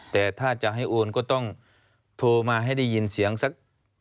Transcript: แต่ถ้าจะให้โอนก็ต้องโทรมาให้ได้ยินเสียงสัก